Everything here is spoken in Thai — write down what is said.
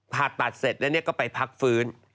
ผ่าตัดเสร็จแล้วก็ไปพักฟื้น